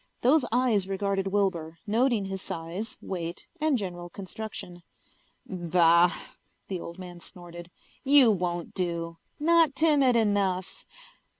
Those eyes regarded Wilbur, noting his size, weight and general construction. "Bah," the old man snorted. "You won't do. Not timid enough."